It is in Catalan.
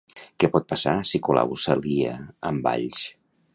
Què pot passar si Colau s'alia amb Valls?